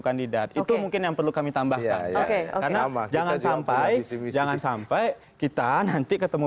kandidat itu mungkin yang perlu kami tambahkan karena jangan sampai jangan sampai kita nanti ketemu